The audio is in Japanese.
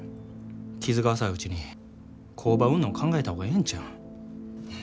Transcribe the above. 傷が浅いうちに工場売んの考えた方がええんちゃうん。